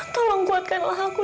tolong kuatkanlah aku